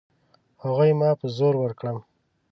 هغوی ما په زور ورکړم.